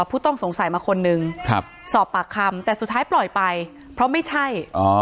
ผู้ต้องสงสัยมาคนนึงสอบปากคำแต่สุดท้ายปล่อยไปเพราะไม่ใช่